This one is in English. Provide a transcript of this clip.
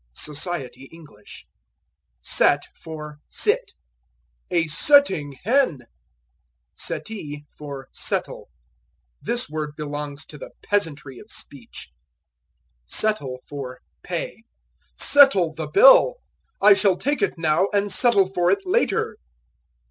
Society English. Set for Sit. "A setting hen." Settee for Settle. This word belongs to the peasantry of speech. Settle for Pay. "Settle the bill." "I shall take it now and settle for it later."